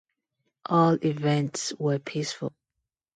All events were peaceful.